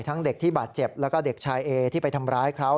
เด็กที่บาดเจ็บแล้วก็เด็กชายเอที่ไปทำร้ายเขา